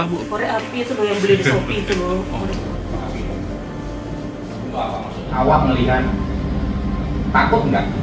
korek api itu loh yang beli di shopee